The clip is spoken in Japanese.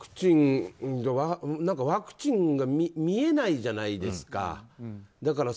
ワクチンが見えないじゃないですか。